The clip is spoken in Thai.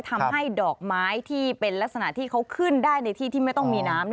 ทำให้ดอกไม้ที่เป็นลักษณะที่เขาขึ้นได้ในที่ที่ไม่ต้องมีน้ำ